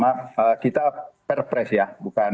mbak pratama kita perpres ya bukan